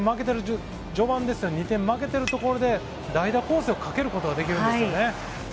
２点負けているところで代打攻勢をかけることができるんです。